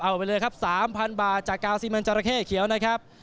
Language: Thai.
เอาไปเลยครับ๓๐๐บาทจากกาวซีเมนจราเข้เขียวนะครับ